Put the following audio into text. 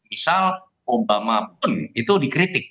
misal obama pun itu dikritik